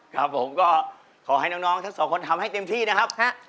ครับผมก็ขอให้น้องทั้งสองคนทำให้เต็มที่นะครับ